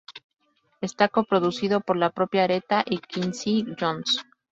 Está coproducido por la propia Aretha y Quincy Jones.